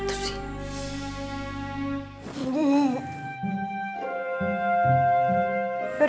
tante dewi pani